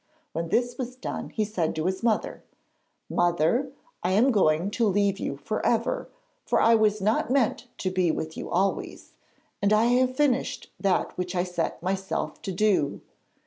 When this was done he said to his mother: 'Mother, I am going to leave you for ever, for I was not meant to be with you always, and I have finished that which I set myself to do.